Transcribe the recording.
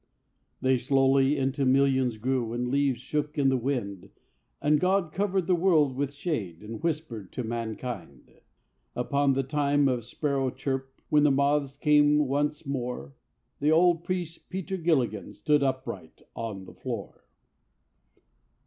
They slowly into millions grew, And leaves shook in the wind; And God covered the world with shade, And whispered to mankind. Upon the time of sparrow chirp When the moths came once more, The old priest Peter Gilligan Stood upright on the floor.